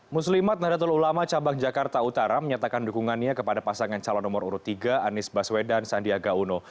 muslimat nahdlatul ulama cabang jakarta utara menyatakan dukungannya kepada pasangan calon nomor urut tiga anies baswedan sandiaga uno